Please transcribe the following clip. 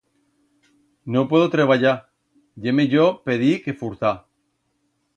No puedo treballar, ye mellor pedir que furtar.